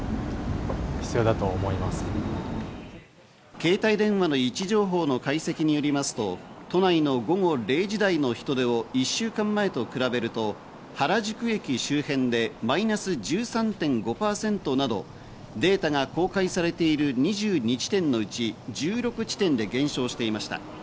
携帯電話の位置情報の解析よりますと都内の午後０時台の人出を１週間前と比べると、原宿駅周辺でマイナス１３．５％など、データが公開されている２２地点のうち１６地点で減少していました。